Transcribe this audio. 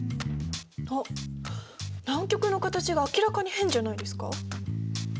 あっ南極の形が明らかに変じゃないですか？